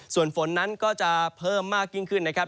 ส่วนฝนนั้นก็จะเพิ่มมากยิ่งขึ้นนะครับ